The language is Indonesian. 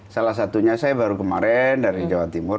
salah satunya saya baru kemarin dari jawa timur